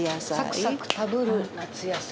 「サクサク食ぶる夏野菜」。